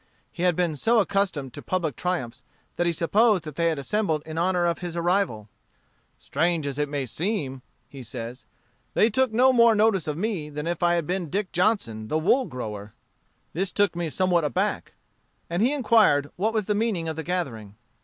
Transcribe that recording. He had been so accustomed to public triumphs that he supposed that they had assembled in honor of his arrival. "Strange as it may seem," he says, "they took no more notice of me than if I had been Dick Johnson, the wool grower. This took me somewhat aback;" and he inquired what was the meaning of the gathering.